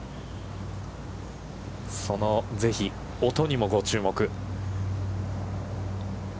その、ぜひ音にもご注目。